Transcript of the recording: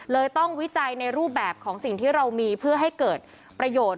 ต้องวิจัยในรูปแบบของสิ่งที่เรามีเพื่อให้เกิดประโยชน์